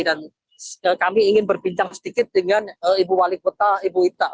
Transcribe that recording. dan kami ingin berbincang sedikit dengan ibu wali kota ibu ita